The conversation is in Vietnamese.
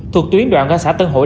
thuộc tuyến đoạn ra xã tân hội